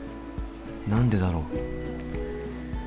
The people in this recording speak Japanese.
何でだろう？